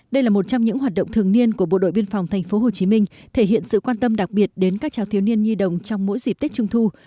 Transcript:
đây là một trong những hoạt động thường niên của bộ đội biên phòng tp hcm thể hiện sự quan tâm đặc biệt đến các cháu thiếu niên nhi đồng trong mỗi dịp tết trung thu